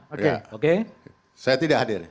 oke oke saya tidak hadir